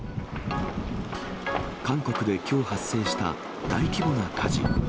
韓国できょう発生した、大規模な火事。